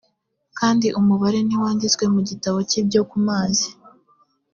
kandi umubare ntiwanditswe mu gitabo cy ibyo kumazi